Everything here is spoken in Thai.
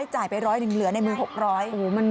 จ่ายไปร้อยหนึ่งเหลือในมือ๖๐๐บาท